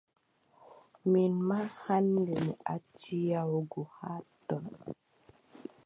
Min maa hannde mi acci yahugo haa ton.